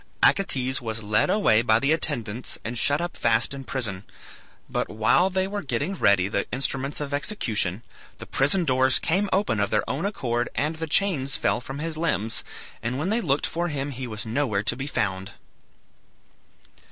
Acetes was led away by the attendants and shut up fast in prison; but while they were getting ready the instruments of execution the prison doors came open of their own accord and the chains fell from his limbs, and when they looked for him he was nowhere to be found.